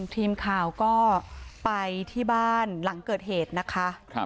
ทีมข่าวก็ไปที่บ้านหลังเกิดเหตุนะคะ